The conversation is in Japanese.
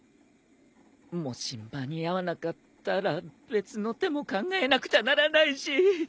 もし間に合わなかったら別の手も考えなくちゃならないし。